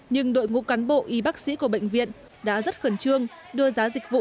nhưng đội ngũ cán bộ y bác sĩ của bệnh viện đã rất khẩn trương đưa giá dịch vụ